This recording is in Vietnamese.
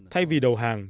thay vì đầu hàng